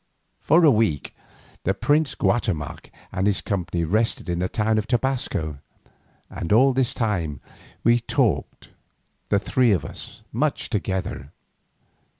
For a week the prince Guatemoc and his company rested in the town of Tobasco, and all this time we three talked much together.